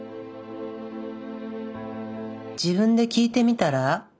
自分で聞いてみたら？